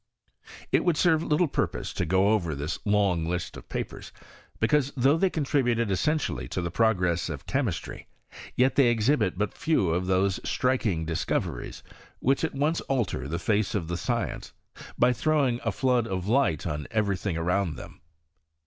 It would serve little purpose to go over this long list of papers ; because, though they contributed essentially to the progress of chemistry, yet they exhibit but few of those striking discoveries, which at once alter the face of the i^cieuce, by throwing a flood of light on every thing around them.